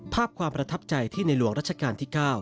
ภาพความประทับใจที่ในหลวงรัชกาลที่๙